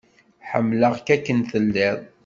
Ḥemmleɣ-k akken tellid.